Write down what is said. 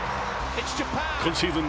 今シーズン